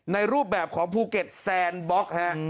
รูปแบบของภูเก็ตแซนบล็อกฮะ